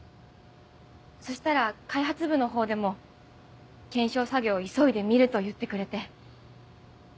そしたら開発部の方でも検証作業を急いでみると言ってくれて。